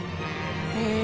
へえ！